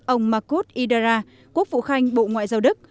ông makut idara quốc phụ khanh bộ ngoại giao đức